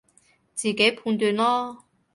自己判斷囉